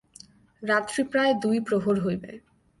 রাত্রি প্রায় দুই প্রহর হইবে।